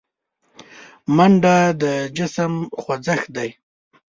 منډه د جسم خوځښت دی